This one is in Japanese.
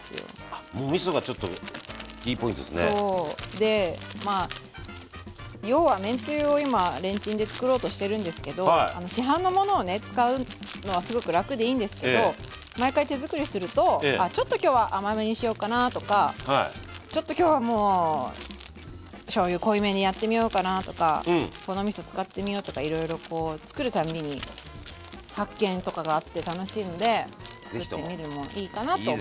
でまあ要はめんつゆを今レンチンでつくろうとしてるんですけど市販のものをね使うのはねすごく楽でいいんですけど毎回手づくりするとあちょっと今日は甘めにしようかなとかちょっと今日はもうしょうゆ濃いめにやってみようかなとかこのみそ使ってみようとかいろいろつくる度に発見とかがあって楽しいのでつくってみるのもいいかなと思って。